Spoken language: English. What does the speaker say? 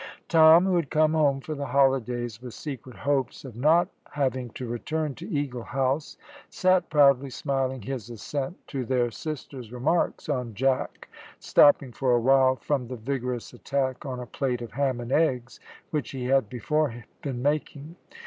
Tom, who had come home for the holidays with secret hopes of not having to return to Eagle House, sat proudly smiling his assent to their sisters' remarks on Jack, stopping for awhile from the vigorous attack on a plate of ham and eggs, which he had before been making.